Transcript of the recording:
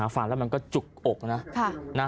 ฟังแล้วมันก็จุกอกนะ